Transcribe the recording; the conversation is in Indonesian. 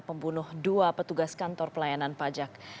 pembunuh dua petugas kantor pelayanan pajak